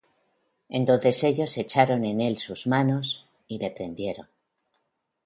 Entonces ellos echaron en él sus manos, y le prendieron.